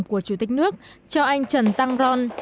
của chủ tịch nước cho anh trần tăng ron